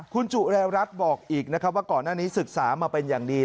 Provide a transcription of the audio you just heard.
คุณจุแลรัชบอกอีกว่าก่อนหน้านี้ศึกษามาเป็นอย่างนี้